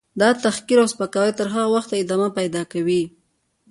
. دا تحقیر او سپکاوی تر هغه وخته ادامه پیدا کوي.